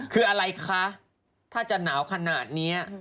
คืออะไรคะถ้าจะหนาวขนาดนี้